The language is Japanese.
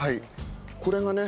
これがね